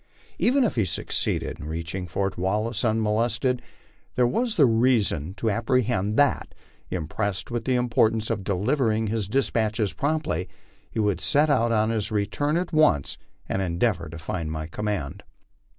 Even if he succeeded in reaching Fort Wallace unmolested, there was reason to apprehend that, impressed with the importance of delivering his despatches promptly, he would set out on his re turn at once and endeavor to find my command.